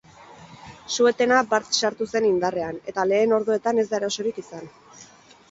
Su-etena bart sartu zen indarrean, eta lehen orduetan ez da erasorik izan.